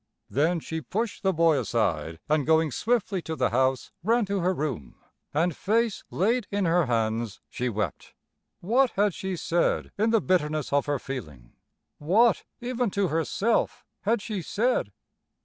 '" Then she pushed the boy aside and going swiftly to the house ran to her room; and face laid in her hands she wept. What had she said in the bitterness of her feeling? What even to herself had she said?